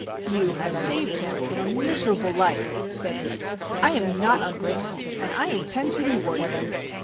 "You have saved him from a miserable life," said he. "I am not ungrateful, and I intend to reward you.